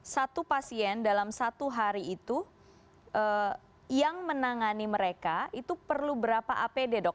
satu pasien dalam satu hari itu yang menangani mereka itu perlu berapa apd dok